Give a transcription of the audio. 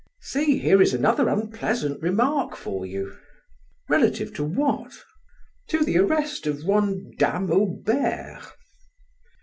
"See, here is another unpleasant remark for you." "Relative to what?" "To the arrest of one Dame Aubert."